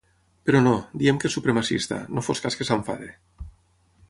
Però no, diem que és supremacista, no fos cas que s’enfadi.